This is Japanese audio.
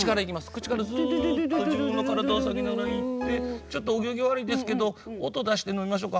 口からすっと自分の体を下げながら行ってちょっとお行儀悪いですけど音出して飲みましょうか。